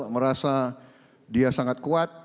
merasa dia sangat kuat